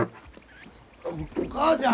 お母ちゃん！